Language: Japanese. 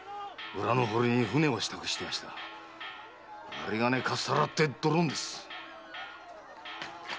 あり金かっさらってドロンです。